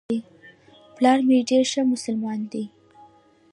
پلار مي ډېر ښه مسلمان دی .